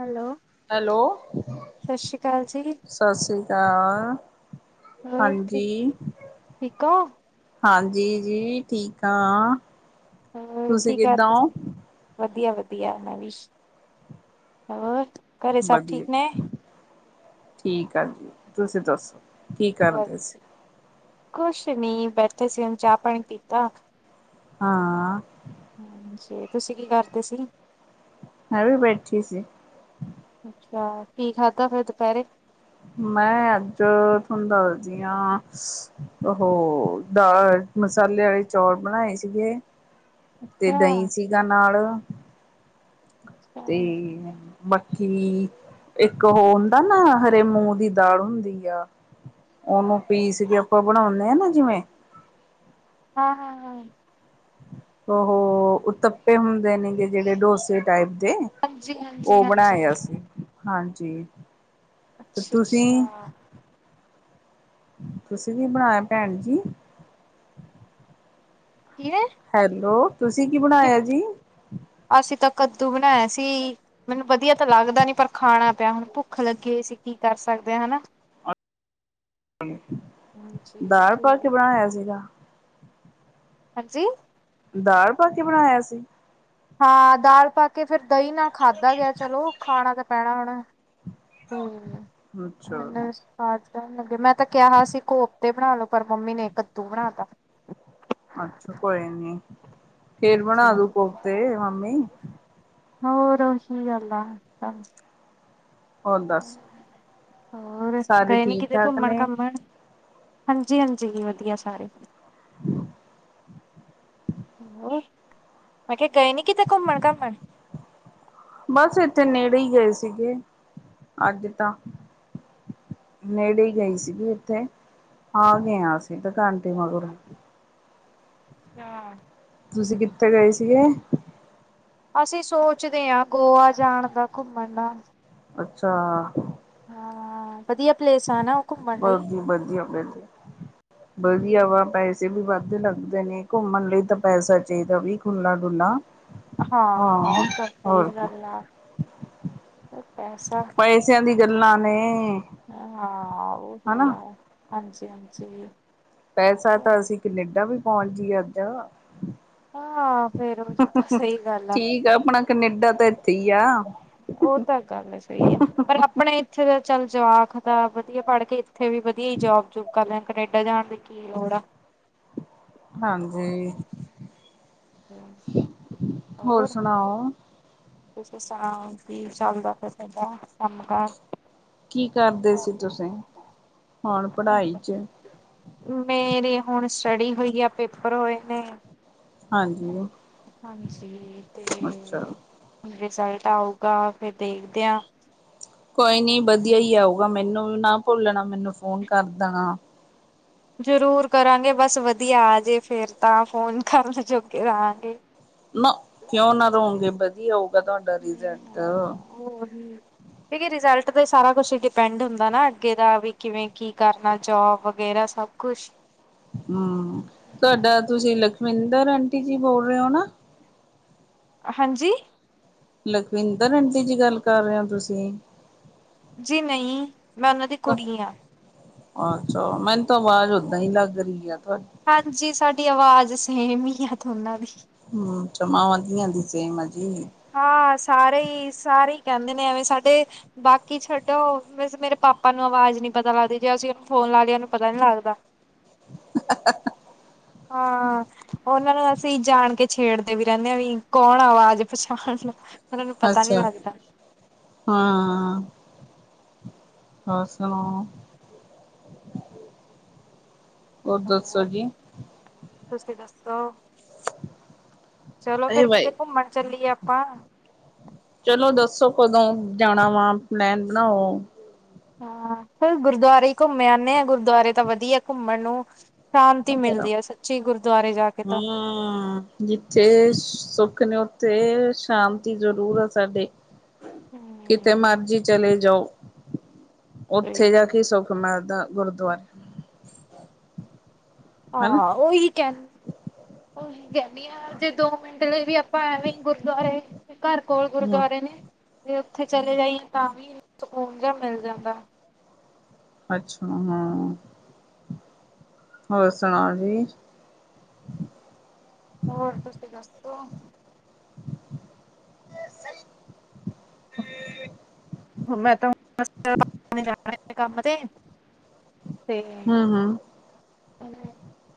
Hello, hello ਸਤਿ ਸ਼੍ਰੀ ਅਕਾਲ ਜੀ। ਸਤਿ ਸ਼੍ਰੀ ਅਕਾਲ ਹੋਰ ਠੀਕ ਹਾਂਜੀ। ਠੀਕ ਹੋ? ਹਾਂਜੀ ਜੀ ਠੀਕ ਆਂ। ਹੋਰ ਕੀ ਕਰਦੇ ਸੀ? ਵਧੀਆ ਵਧੀਆ ਮੈਂ ਵੀ। ਹੋਰ ਘਰੇ ਸਭ ਵਧੀਆ ਠੀਕ ਨੇ? ਠੀਕ ਆ ਜੀ ਤੁਸੀ ਦੱਸੋ। ਕੀ ਕਰਦੇ ਸੀ? ਕੁਸ਼ ਨੀ ਬੈਠੇ ਸੀ। ਹੁਨ ਚਾ ਪਾਨੀ ਪੀਤਾ ਹਾਂ। ਹਾਂਜੀ, ਤੁਸੀ ਕੀ ਕਰਦੇ ਸੀ? ਹ ਵੀ ਬੈਠੀ ਸੀ। ਅੱਛਾ, ਕੀ ਖਾਧਾ ਫੇਰ ਦੁਪੈਰੇ? ਮੈਂ ਅੱਜ ਤੋਨੂੰ ਦੱਸਦੀ ਆਂ। ਓਹ ਦਾਲ ਮਸਾਲੇ ਵਾਲੇ ਚੌਲ ਬਣਾਏ ਸੀਗੇ। ਤੇ ਅੱਛਾ, ਦਈਂ ਸੀਗਾ ਨਾਲ ਅੱਛਾ, ਤੇ ਬਾਕੀ ਇੱਕ ਓ ਹੁੰਦਾ ਨਾ ਹਰੇ ਮੂੰਹ ਦੀ ਦਾਲ ਹੁੰਦੀ ਆ। ਓਨੂੰ ਪੀਸ ਕੇ ਆਪਾਂ ਬਣਾਉਨੇ ਆਂ ਨਾ ਜਿਵੇਂ ਹਾਂ ਹਾਂ ਹਾਂ। ਓਹ ਉਤੱਪੇ ਹੁੰਦੇ ਨੇਗੇ ਜੇੜੇ ਡੋਸੇ ਟਾਈਪ ਦੇ। ਓ ਹਾਂਜੀ-ਹਾਂਜੀ-ਹਾਂਜੀ, ਬਣਾਏ ਅਸੀ ਹਾਂਜੀ। ਤੇ ਤੁਸੀਂ। ਅੱਛਾ-ਅੱਛਾ। ਤੁਸੀ ਕੀ ਬਣਾਏਆ ਭੈਣ ਜੀ? ਕੀਏ। ਹੈਲੋ, ਤੁਸੀ ਕੀ ਬਣਾਏਆ ਜੀ? ਅਸੀ ਤਾਂ ਕੱਦੂ ਬਨਾਏਆ ਸੀ। ਮੈਨੂੰ ਵਧੀਆ ਤਤੇ ਲੱਗਦਾ ਨੀ ਪਰ ਖਾਣਾ ਪੇਆ ਹੁਣ ਭੁ ਭੁੱਖ ਲੱਗੀ ਹੋਈ ਸੀ। ਕੀ ਕਰ ਸਕਦੇ ਆਂ ਹਨਾ। ਜੀ ਦਾਲ ਪਾ ਕੇ ਠੀਕ ਬਣਾਏਆ ਸੀਗਾ। ਹਾਂਜੀ। ਦਾਲ ਪਾ ਕੇ ਬਣਾਏਆ ਸੀ। ਹਾਂ ਦਾਲ ਪਾ ਤੇ ਫੇਰ ਦਈਂ ਨਾਲ ਖਾਧਾ ਗੇਆ ਚਲੋ ਖਾਣਾ ਤਾਂ ਪੈਣਾ ਹੁਣੈ। ਹੂੰ। ਅੱਛਾ। ਕਰਨ ਲੱਗੇ। ਮੈਂ ਤੇ ਕੈਣਾ ਸੀ ਕੋਫਤੇ ਬਣਾ ਲੋ ਪਰ ਮੰਮੀ ਨੇ ਕੱਦੂ ਬਣਾ ਤਾ। ਅੱਛਾ ਕੋਈ ਨੀ। ਫੇਰ ਹਾਂਜੀ ਬਣਾ ਦੂ ਹਾਂਜੀ ਕੋਫਤੇ ਮੰਮੀ। ਹੋਰ ਓਹੀ ਗੱਲ ਆ। ਹੋਰ ਦੱਸ ਹੋਰ ਸਾਰੇ ਗਏ ਨੀ ਠੀਕ ਕਿਤੇ ਠਾਕ ਘੁੰਮਣ ਨੇ ਘਾਮਣ? ਹਾਂਜੀ ਹਾਂਜੀ ਵਧੀਆ ਸਾਰੇ। [unintelligible] ਹੋਰ, ਮੈਂ ਕੈ ਗਏ ਨੀ ਕਿਤੇ ਘੁੰਮਣ ਘਾਮਣ। ਬਸ ਏਥੇ ਨੇੜੇ ਈ ਗਏ ਸੀਗੇ ਅੱਜ ਤਾਂ। ਨੇੜੇ ਈ ਗਈ ਸੀਗੀ ਏਥੇ ਆ ਗਏ ਆਂ ਅਸੀ ਦੁਕਾਨ ਤੇ ਮਗਰੋਂ। ਹਾਂ ਤੁਸੀਂ ਕਿੱਥੇ ਗਏ ਸੀਗੇ? ਅਸੀਂ ਸੋਚਦੇ ਆਂ ਗੋਆ ਜਾਣ ਦਾ, ਘੁੰਮਣ ਦਾ। ਅੱਛਾ। ਹਾਂ ਵਧੀਆ ਪਲੇਸ ਆ ਨਾ ਓ ਘੁੰਮਣ ਲਈ। ਬਧੀਆ ਵਧ ਹ ਵਧੀਆ ਵਾ ਪੈਸੇ ਵੀ ਵਾਧੂ ਲੱਗਦੇ ਨੇ, ਘੁੰਮਣ ਲਈ ਤਾਂ ਪੈਸਾ ਚਾਈਦਾ ਵਈ ਖੁਲਾ- ਡੁੱਲਾ। ਹਾਂ ਹਾਂ ਓ ਤਾਂ ਸਈ ਗੱਲ ਐ, ਬਈ ਪੈਸਾ ਪੈਸਿਆਂ ਦੀ ਗੱਲਾਂ ਨੇ। ਹਾਂ ਓ ਵੀ ਹਨਾ। ਆ ਹਾਂਜੀ ਹਾਂਜੀ। ਪੈਸਾ ਤਾਂ ਅਸੀਂ ਕਨੇਡਾ ਵੀ ਪੋਂਚ ਜੀਏ ਅੱਜ। ਹਾਂ ਫੇਰ ਉਹ ਤਾਂ ਸਹੀ ਗੱਲ ਠੀਕ ਆ ਆਪਣਾ ਕਨੇਡਾ ਤੇ ਏਥੇ ਈ ਆ। ਓ ਤਾਂ ਗੱਲ ਸਈ ਆ। ਪਰ ਆਪਣੇ ਏਥੇ ਦਾ ਚੱਲ ਜਵਾਕ ਦਾ ਵਧੀਆ ਪੜ੍ਹ ਕੇ, ਏਥੇ ਵੀ ਵਧੀਆ ਈ ਜੋਬ ਜੂਬ ਕਰ ਲਿਆ। ਕਨੇਡਾ ਜਾਣ ਦੇ ਕੀ ਲੋੜ ਆ। ਹਾਂਜੀ। ਹੂੰ- ਹੋਰ। ਤੁਸੀਂ ਸੁਣਾਓ ਠੀਕ ਚੱਲਦਾ ਪਿਆ ਤੁੁਆਡਾ ਕੰਮ ਕਾਰ। ਕੀ ਕਰਦੇ ਸੀ ਤੁਸੀਂ, ਹੁਣ ਪੜ੍ਹਾਈ 'ਚ? ਮੇਰੇ ਹੁਣ ਸਟੱਡੀ ਹੋਈ ਆ, ਪੇਪਰ ਹੋਏ ਨੇ। ਹਾਂਜੀ। ਹਾਂਜੀ ਅੱਛਾ। -ਤੇ। ਰਿਜ਼ਲਟ ਆਊਗਾ ਫੇਰ ਦੇਖ ਦੇ ਆਂ। ਕੋਈ ਨੀ ਵਧੀਆ ਈ ਆਊਗਾ, ਮੈਨੂੰ ਵੀ ਨਾ ਭੁੱਲਣਾ ਮੈਨੂੰ ਫੋਨ ਕਰ ਦੇਣਾ। ਜ਼ਰੂਰ ਕਰਾਂਗੇ ਬਸ ਵਧੀਆ ਆ ਜੇ, ਫੇਰ ਤਾਂ ਫੋਨ ਕਰਨ ਜੋਗੇ ਰਾਂਗੇ। ਨਾ ਕਿਉਂ ਨਾ ਰੋਗੇ, ਵਧੀਆ ਹੋਊਗਾ ਤੁਆਡਾ ਰਿਜ਼ਲਟ। ਹੋਰ ਕੀ ਰਿਜ਼ਲਟ ਤੇ ਸਾਰਾ ਕੁਛ ਡਿਪੈਂਡ ਹੁੰਦਾ ਨਾ, ਅੱਗੇ ਦਾ ਵੀ ਕਿਵੇਂ ਕੀ ਕਰਨਾ। ਜੋਬ ਵਗੈਰਾ ਸਭ ਕੁਛ। ਹੂੰ ਤੁਆਡਾ ਤੁਸੀਂ ਲਖਵਿੰਦਰ ਆਂਟੀ ਜੀ ਬੋਲ ਰੇ ਓ ਨਾ। ਹਾਂਜੀ। ਲਖਵਿੰਦਰ ਆਂਟੀ ਜੀ ਗੱਲ ਕਰ ਰਏ ਓ ਤੁਸੀਂ। ਜੀ ਨਈ, ਮੈਂ ਉਨਾਂ ਦੀ ਕੁੜੀ ਆਂ। ਆਛਾ ਮੈਨੂੰ ਤਾਂ ਆਵਾਜ਼ ਓਦਾਂ ਈ ਲੱਗ ਰੀ ਆ ਤੁਆਡੀ। ਹਾਂਜੀ ਸਾਡੀ ਆਵਾਜ਼ ਸੇਮ ਈ ਆ ਦੋਨਾਂ ਦੀ। ਹੂੰ ਅਛਾ ਮਾਵਾਂ- ਧੀਆਂ ਦੀ ਸੇਮ ਆ ਜੀ। ਹਾਂ ਸਾਰੇ ਈ ਸਾਰੇ ਈ ਕੈਂਦੇ ਨੇ ਐਵੇਂ ਸਾਡੇ। ਬਾਕੀ ਛੱਡੋ ਵੈਸੇ ਮੇਰੇ ਪਾਪਾ ਨੂੰ ਆਵਾਜ਼ ਨੀ ਪਤਾ ਲੱਗਦੀ, ਜੇ ਅਸੀਂ ਓਨੂੰ ਫੋਨ ਲਾਲੀਏ ਓਨੂੰ ਪਤਾ ਨੀ ਲੱਗਦਾ। ਹਾਂ ਓਨਾਂ ਨੂੰ ਅਸੀਂ ਜਾਣ ਕੇ ਛੇੜਦੇ ਵੀ ਰੈਨੇ ਆ ਵੀ ਕੌਣ ਆਵਾਜ਼ ਪਛਾਣ ਲੋ, ਓਨਾਂ ਨੂੰ ਪਤਾ ਨੀ ਅੱਛਾ ਲੱਗਦਾ। ਹਾਂ। ਹੋਰ ਸੁਣਾਓ। ਦੱਸੋ ਹੋਰ- ਜੀ? ਤੁਸੀਂ ਦੱਸੋ। ਚਲੋ ਅਰੇ ਫੇਰ ਕਿਤੇ ਬਾਈ ਘੁੰਮਣ ਚੱਲੀਏ ਆਪਾਂ। ਚਲੋ ਦੱਸੋ ਕਦੋਂ ਜਾਣਾ ਵਾ? ਪਲੈਨ ਬਣਾਓ। ਹਾਂ ਫਿਰ ਗੁਰਦੁਆਰੇ ਹੀ ਘੁੰਮੇ ਆਂਨੇ ਆ ਗੁਰਦੁਆਰੇ ਤਾਂ ਵਧੀਆ ਘੁੰਮਣ ਨੂੰ। ਸ਼ਾਂਤੀ ਮਿਲਦੀ ਐ ਸੱਚੀ, ਗੁਰਦੁਆਰੇ ਜਾ ਕੇ ਤਾਂ। ਹਾਂ ਜਿੱਥੇ ਸੁੱਖ ਨੇ ਉੱਥੇ ਸ਼ਾਂਤੀ ਜ਼ਰੂਰ ਆ ਸਾਡੇ। ਹੂੰ ਕਿਤੇ ਮਰਜ਼ੀ ਚਲੇ ਜਾਓ, ਸਹੀ ਉੱਥੇ ਜਾ ਕੇ ਗੱਲ। ਸੁੱਖ ਮਿਲਦਾ ਗੁਰਦੁਆਰੇ। ਹਨਾ ਹਾਂ ਉਹੀ ਕਹਿਣ। [inaudible] ਉਹੀ ਕਹਿੰਨੀ ਆ ਜੇ ਦੋ ਮਿੰਟ ਲਈ ਵੀ ਆਪਾਂ ਐਵੇਂ ਈ ਗੁਰਦੁਆਰੇ। ਘਰ ਕੋਲ ਹਾਂ ਗੁਰਦੁਆਰੇ ਨੇ ਤੇ ਉੱਥੇ ਚਲੇ ਜਾਈਏ ਤਾਂ ਵੀ ਸਕੂਨ ਜਿਹਾ ਮਿਲ ਜਾਂਦਾ। ਅੱਛਾ ਹਾਂ, ਹੋਰ ਸੁਣਾਓ ਜੀ? ਹੋਰ ਤੁਸੀਂ ਦੱਸੋ? ਮੈਂ ਤਾਂ ਬੱਸ [inaudible] ਕੰਮ ਤੇ। ਹੂੰ-ਹੂੰ ਉਹਨਾਂ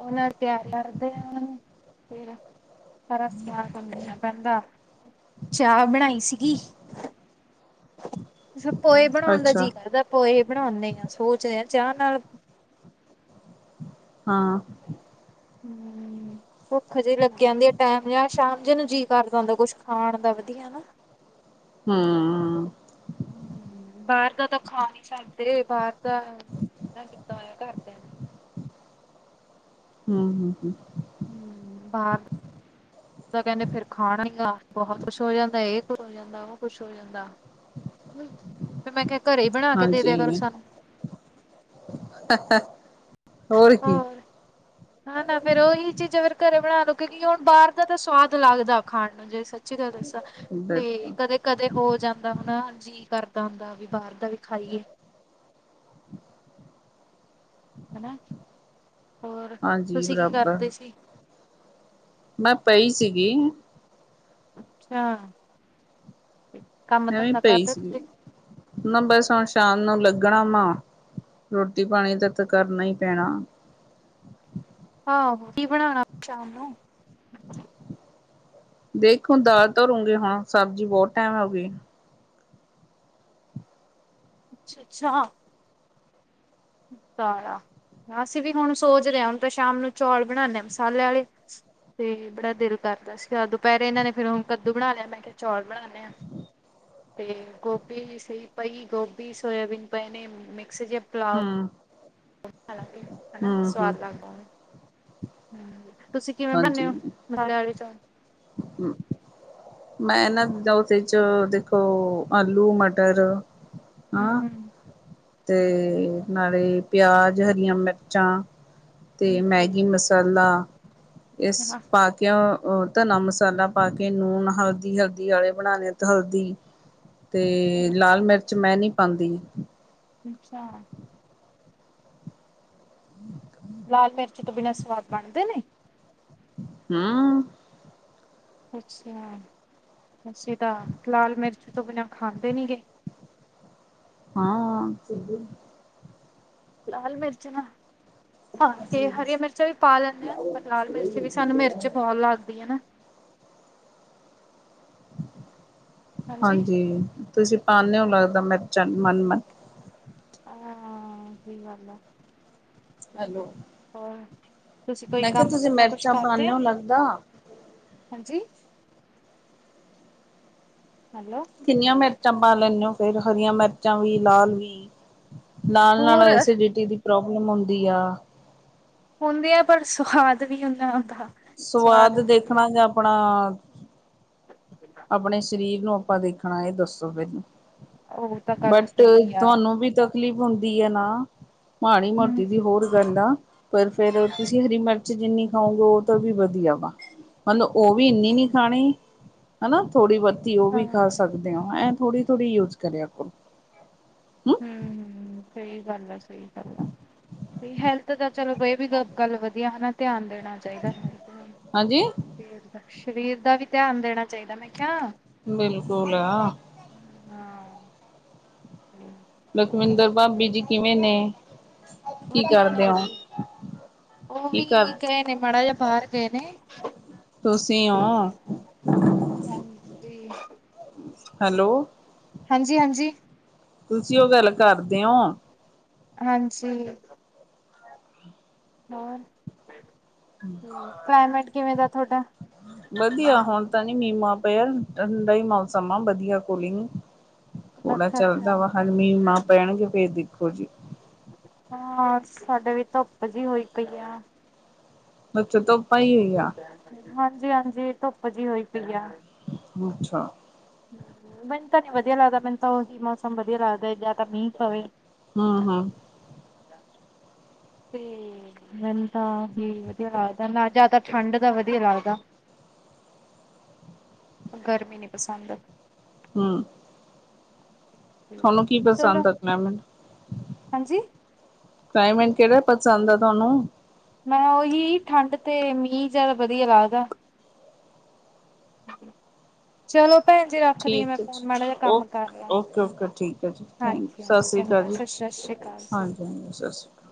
-ਉਹਨਾਂ ਨੂੰ [inaudible] ਪਿਆਰ ਕਰਦੇ ਆ ਫਿਰ? ਸਾਰਾ ਸਿਆਲ [inaudible] ਚਾਹ ਬਣਾਈ ਸੀਗੀ। ਅਛਾ ਪੋਏ ਬਣਾਉਣ ਦਾ ਅੱਛਾ ਜੀਅ ਕਰਦਾ ਪੋਏ ਬਣਾਉਂਦੇ ਆਾਂ ਸੋਚ ਰਏ ਆਂ ਚਾਹ ਨਾਲ। ਹਾਂ। ਹੂੰ। ਹੂੰ, ਭੁੱਖ ਜਿਹੀ ਲੱਗ ਜਾਂਦੀ ਆ ਟਾਈਮ ਜਾਂ ਸ਼ਾਮ ਜਿ ਨੂੰ ਜੀਅ ਕਰਦਾ ਹੁੰਦਾ ਕੁਛ ਖਾਣ ਦਾ ਵਧੀਆ ਹੈਨਾ। ਹੂੰ ਹੂੰ, ਬਾਹਰ ਦਾ ਤਾਂ ਖਾ ਨਹੀਂ ਸਕਦੇ ਬਾਹਰ। ਦਾ ਮਨਾ ਕੀਤਾ ਹੋਇਆ ਘਰਦਿਆਂ ਨੇ। ਹੰਮ- ਹੰਮ -ਹੰਮ ਹੰਮ, ਬਾਹਰ [inaudible] ਤਾਂ ਕਹਿੰਦੇ ਫਿਰ ਖਾਣਾ ਈ ਆ ਬਹੁਤ ਕੁਛ ਹੋ ਜਾਂਦਾ ਇਹ। ਹੋ ਜਾਂਦਾ ਉਹ ਕੁਛ ਹੋ ਜਾਂਦਾ ਹੰਮ। ਫਿਰ ਮੈਂ ਕਿਹਾ ਘਰੇ ਹੀ ਬਣਾ ਕੇ ਦੇ ਦਿਆ ਕਰੋ ਸਾਨੂੰ। ਹੈ -ਹੈ ਹੋਰ ਕੀ। ਹਾ ਨਾ ਫਿਰ ਉਹੀ ਚੀਜ਼ਾਂ ਫਿਰ ਘਰੇ ਬਣਾ ਲਉ ਕਿਉਂਕਿ ਹੁਣ ਬਾਹਰ ਦਾ ਤਾਂ ਸਵਾਦ ਲੱਗਦਾ ਖਾਣ ਨੂੰ ਜੇ ਚੀ ਗਲ ਦੱਸਾਂ ਬੇ। ਬਿਲਕੁਲ ਕਦੇ- ਕਦੇ ਹੋ ਜਾਂਦਾ ਹੁਣਾ ਜੀਅ ਕਰਦਾ ਹੁੰਦਾ ਵੀ ਬਾਹਰ ਦਾ ਵੀ ਖਾਈਏ। [unintelligible] ਹੈਨਾ। ਹਾਂਜੀ ਬਰਾਬਰ। ਕਰਦੇ ਸੀ ਮੈਂ ਪਈ ਸੀਗੀ। ਅੱਛਾ। ਕੰਮ ਮੈਂ ਵੀ ਧੰਦਾ ਪਈ ਕਰਦੇ ਸੀਗੀ ਤੁਸੀਂ ਮੈਂ ਬਸ ਹੁਣ ਸ਼ਾਮ ਨੂੰ ਲੱਗਣਾ ਨਾ। ਰੋਟੀ ਪਾਣੀ ਦਾ ਤਾਂ ਕਰਨਾ ਈ ਪੈਣਾ। ਆਹੋ ਕੀ ਬਣਾਉਣਾ ਸ਼ਾਮ ਨੂੰ? ਦੇਖੋ ਦਾਲ ਤਰੋਂਗੀ ਹੁਣ ਸਬਜ਼ੀ ਬਹੁਤ ਟਾਈਮ ਹੋ ਗਈ। ਅੱਛਾ- ਅੱਛਾ ਹਾਂ। ਸਾਲਾ ਅਸੀਂ ਵੀ ਹੁਣ ਸੋਚ ਰਹੇ ਹਾਂ ਹੁਣ ਤਾਂ ਸ਼ਾਮ ਨੂੰ ਚੌਲ ਬਣਾਉਨੇ ਮਸਾਲੇ ਵਾਲੇ ਤੇ ਬੜਾ ਦਿਲ ਕਰਦਾ ਸੀਗਾ ਦੁਪਹਿਰੇ ਇਹਨਾਂ ਨੇ ਫਿਰੁ ਕੱਦੂ ਬਣਾ ਲਿਆ ਮੈਂ ਕਿਹਾ ਚੌਲ ਬਣਾਉਂਨੇ ਹਾਂ। ਤੇ ਗੋਭੀ ਸਈ ਪਈ ਗੋਭੀ ਸੋਇਆਬੀਨ ਪਈ ਨੇ ਮਿਕਸ ਜ ਪ ਹੰਮ ਕੇ ਹਨਣਾ ਸਵਾਦ ਲੱਗਦਾ ਹਮ ਤੁਸੀਂ ਕਿਵੇਂ ਬਣਨੇ ਹੋ ਦੀ ਚੌਲ ਹਮ ਮੈਂ ਨਾਦ ਜਿਦਾ ਉਹਦੇ ਚ ਦੇਖੋ ਆਲੂ ਮਟਰ ਆਾਂ ਹੂੰ ਤੇ ਨਾਲੇ ਪਿਆਜ ਹਰੀਆਂ ਮਿਰਚਾਂ ਤੇ ਹੂੰ ਜੀ ਮੈਗੀ ਮਸ ਪਹਲਾ ਇਸ ਪਾਤ ਕਿਉ ਧਨਾ ਮਸਾਲਾ ਪਾ ਕੇ ਨੂਣ ਹਲਦੀ ਹਲਦੀ ਵਾਲੇ ਬਣਾਉਣੇ ਅਤੇ ਹਲਦੀ ਹ ਤੇ ਲਾਲ ਮਿਰਚ ਮੈਂ ਨਹੀਂ ਪਾਉਂਦੀ ਅੱਛਾ ਹਠਕ ਲਾਲ ਮਿਰਚ ਤੋਂ ਬਿਨਾਂ ਸਵਾਦ ਬਣਦੇ ਨੇ ਹਮ ਅੱਛਾ ਅਸੀਂ ਤਾਂ ਲਾਲ ਮਿਰਚ ਤੋਂ ਬਿਨਾਂ ਖਾਂਦੇ ਨੀ ਗੇ ਹਾਂ ਲਾਲ ਮਿਰਚ ਨਾ ਹਾਂ ਤੇ ਹਰੀ ਮਿਰਚਾਂ ਵੀ ਪਾ ਲੈਂਦੇ ਹਾਂ ਪਰ ਲਾਲ ਮਿਰਚ ਵੀ ਸਾਨੂੰ ਮਿਰਚ ਬਹੁਤ ਲੱਗਦੀ ਹੈ ਨਾ ਹਾਂਜੀ ਤੁਸੀਂ ਪਾਂਦੇ ਹੋ ਲੱਗਦਾ ਮਿਰਚਾਂ ਮਨਮਨ ਹਾਂ ਸਹੀ ਗੱਲ ਅ ਹੈਲੋ ਹੋਰ ਤੁਸੀਂ ਕੋਈ ਮੈਂ ਕਿਹਾ ਕੰਮ ਤੁਸੀਂ ਤੰਦਾ ਕੁਛ ਮਿਰਚਾਂ ਕਰਦੇ ਪਾਉਂਦੇ ਐ ਹੋ ਲੱਗਦਾ ਹਾਂਜੀ ਹੈਲੋ ਕਿੰਨੀਆਂ ਮਿਰਚਾਂ ਪਾ ਲੈਂਦੇ ਹੋ ਫੇਰ ਹਰੀਆਂ ਮਿਰਚਾਂ ਵੀ ਲਾਲ ਵੀ ਲਾਲ ਨਾਲ ਹੋਰ ਐਸੀਡਿਟੀ ਦੀ ਪ੍ਰੋਬਲਮ ਹੁੰਦੀ ਆ ਹੁੰਦੇ ਆ ਪਰ ਸੁਆਦ ਵੀ ਉਨਾ ਹੁੰਦਾ ਸਵਾਦ ਵੀ ਦੇਖਣਾ ਵਧੀਆ ਜਾਂ ਆਪਣਾ ਆਪਣੇ ਸਰੀਰ ਨੂੰ ਆਪਾਂ ਦੇਖਣਾ ਇਹ ਦੱਸੋ ਫਿਰ ਉਹ ਤਾਂ ਗੱਲ ਬਟ ਸਹੀ ਆ ਤੁਹਾਨੂੰ ਵੀ ਤਾਂ ਤਕਲੀਫ਼ ਹੁੰਦੀ ਹੈ ਨਾ ਮਾੜੀ ਹਮ ਮੋਟੀ ਦੀ ਹਾਂ ਹੋਰ ਗੱਲ ਆ ਪਰ ਫੇਰ ਤੁਸੀਂ ਹਰੀ ਮਿਰਚ ਜਿੰਨੀ ਖਾਓਗੇ ਉਹ ਤਾਂ ਵੀ ਵਧੀਆ ਵਾ ਮਤਲੂੰ ਉਹ ਵੀ ਇੰਨੀ ਨੀ ਖਾਣੀ ਹੈ ਨਾ ਥੋੜ੍ਹੀ ਬੱਤੀ ਉਹ ਵੀ ਖਾ ਹਮ ਸਕਦੇ ਹੋ ਐਂ ਥੋੜ੍ਹੀ ਥੋੜ੍ਹੀ ਯੂਜ ਕਰਿਆ ਕਰੋ ਹਮ ਹਮ ਸਹੀ ਗੱਲ ਆ ਸਹੀ ਗੱਲ ਆ ਹੈਲਥ ਤਾਂ ਚਲੋ ਕੋ ਇਹ ਵੀ ਗੱਲ ਵਧੀਆ ਹਨਾ ਧਿਆਨ ਦੇਣਾ ਚਾਹੀਦਾ ਹੈ ਹਾਂਜੀ ਸਰੀਰ ਦਾ ਵੀ ਧਿਆਨ ਦੇਣਾ ਚਾਹੀਦਾ ਮੈਂ ਕਿਹਾ ਬਿਲਕੁਲ ਹੈ ਹਾਂ ਹਾਂ ਲਖਵਿੰਦਰ ਭਾਬੀ ਜੀ ਕਿਵੇਂ ਨੇ ਕੀ ਵਧੀਆ ਨੇ ਕਰਦੇ ਹੋ ਵਧੀਆ ਉਹ ਕੀ ਵੀ ਕਰ ਗਏ ਨੇ ਮਾੜਾ ਜਿਹਾ ਬਾਹਰ ਗਏ ਨੇ ਤੁਸੀਂ ਤੇ ਔ ਹਾਂਜੀ ਹੈਲੋ ਹਾਂਜੀ ਹਾਂਜੀ ਤੁਸੀਂ ਉਹ ਗੱਲ ਕਰਦੇ ਹੋ ਹਾਂਜੀ। ਹੋਰ, ਕਲਾਈਮੇਟ ਕਿਵੇਂ ਦਾ ਥੋਡਾ? ਵਧੀਆ ਹੁਣ ਤਾਂ ਨੀ ਮੀਂ-ਮਾਂ ਪੇਆ ਠੰਡਾ ਈ ਮੌਸਮ ਆ ਵਧੀਆ ਕੂਲੀਂਗ। ਹੁਣ ਅੱਛਾ ਅੱਛਾ ਚੱਲਦਾ ਵਾ, ਹਾਲੇ ਮੀਂ-ਮਾਂ ਪੈਣਗੇ ਫੇਰ ਦੇਖੋ ਜੀ। ਹਾਂ, ਸਾਡੇ ਵੀ ਧੁੱਪ ਜੀ ਹੋਈ ਪਈ ਆ। ਅੱਛਾ ਧੁੱਪ ਆਈ ਹੋਈ ਆ। ਹਾਂਜੀ-ਹਾਂਜੀ ਧੁੱਪ ਜੀ ਹੋਈ ਪਈ ਆ। ਅੱਛਾ। ਮੈਨੂੰ ਤਾਂ ਨੀਂ ਵਦੀਆ ਲੱਗਦਾ, ਮੈਨੂੰ ਤਾਂ ਓਹੀ ਮੌਸਮ ਵਦੀਆ ਲੱਗਦੈ ਜਾਂ ਤਾਂ ਮੀਂ ਪਵੇ। ਹਂ-ਹਂ। ਤੇ, ਮੈਨ ਤਾਂ ਓਹੀ ਵਧੀਆ ਲੱਗਦੈ, ਨਾ ਜਾਦਾ ਠੰਡ ਦਾ ਵਧੀਆ ਲੱਗਦਾ। ਗਰਮੀ ਨੀਂ ਪਸੰਦ। ਹਮ। ਥੋਨੂੰ ਕੀ ਚਲੋ ਪਸੰਦ ਐ ਦੱਸਨੈ ਮੈਨੂੰ। ਹਾਂਜੀ। ਕਲਾਈਮੇਂਟ ਕੇੜਾ ਪਸੰਦ ਆ ਤੁਆਨੂੰ? ਮੈਂ, ਓਹੀ ਠੰਡ ਤੇ ਮੀਂ ਜਾਦਾ ਵਧੀਆ ਲੱਗਦਾ। ਚਲੋ ਭੈਂਜੀ ਰੱਖਦੀ ਆਂ ਮੈਂ ਠੀਕ ਹੈ ਜੀ ਫੋਨ ਮਾੜਾ ਜੇਆ ਕੰਮ ਕਰ ਓਕੇ ਲਾਂ, ਓਕੇ ਓਕੇ ਠੀਕ ਹੈ ਜੀ ਥੈਂਕ ਹਾਂਜੀ। ਸਤਿ ਸ਼੍ਰੀ ਅਕਾਲ [unintelligible] ਜੀ ਸਸ ਸ੍ਰੀ ਅਕਾਲ ਜੀ। ਹਾਂਜੀ ਹਾਂਜੀ ਸਤਿ ਸ਼੍ਰੀ ਅਕਾਲ